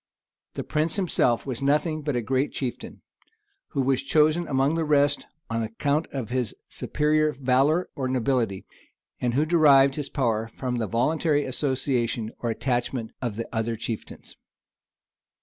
[*] The prince himself was nothing but a great chieftain, who was chosen from among the rest on account of his superior valor or nobility; and who derived his power from the voluntary association or attachment of the other chieftains.